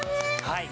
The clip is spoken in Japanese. はい。